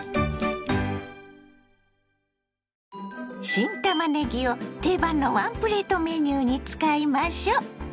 新たまねぎを定番のワンプレートメニューに使いましょ。